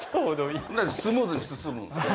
スムーズに進むんすけど。